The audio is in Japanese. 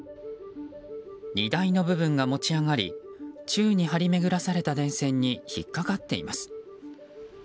荷台の部分が持ち上がり宙に張り巡らされた電線に引っかかっています。